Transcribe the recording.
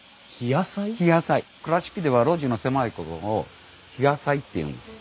倉敷では路地の狭いことを「ひやさい」っていうんです。